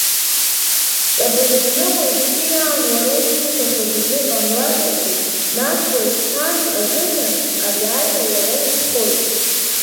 Ҵабыргны уажәтәи аан уара ишуҭахыз изыҟамлазаргьы, нас уажәшьҭан азыҳәан аиааира уара иутәхоит…